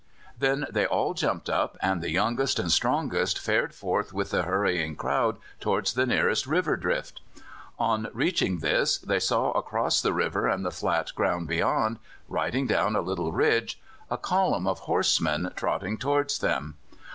Then they all jumped up, and the youngest and strongest fared forth with the hurrying crowd towards the nearest river drift. On reaching this they saw across the river and the flat ground beyond, riding down a little ridge, a column of horsemen trotting towards them.